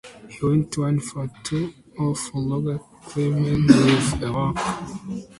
He went one-for-two off Roger Clemens with a walk.